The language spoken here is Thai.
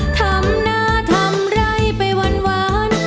ทำหน้าทำไร่ไปหวาน